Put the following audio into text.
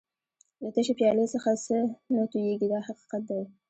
له تشې پیالې څخه څه نه تویېږي دا حقیقت دی.